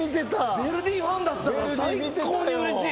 ヴェルディファンだったから最高にうれしい！